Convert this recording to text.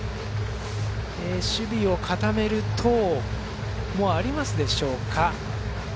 守備を固める等もありますでしょうか。